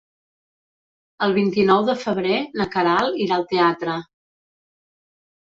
El vint-i-nou de febrer na Queralt irà al teatre.